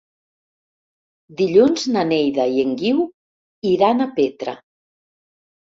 Dilluns na Neida i en Guiu iran a Petra.